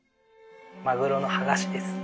マグロの剥がしです。